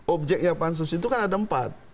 objeknya pansus itu kan ada empat